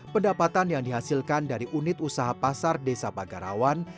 pendapatan yang dihasilkan dari unit usaha pasar desa pagarawan